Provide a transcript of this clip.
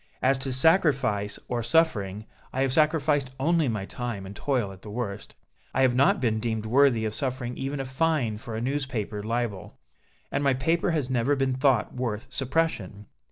As to sacrifice or suffering, I have sacrificed only my time and toil at the worst. I have not been deemed worthy of suffering even a fine for a newspaper libel, and my paper has never been thought worth suppression!"